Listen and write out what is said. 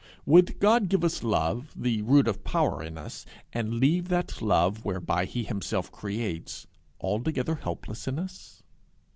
Would God give us love, the root of power, in us, and leave that love, whereby he himself creates, altogether helpless in us?